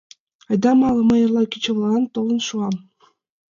Айда, мале: мый эрла кечываллан толын шуам.